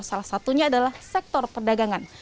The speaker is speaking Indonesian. salah satunya adalah sektor perdagangan